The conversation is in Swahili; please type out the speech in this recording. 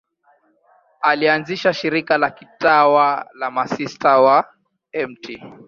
Alianzisha shirika la kitawa la Masista wa Mt.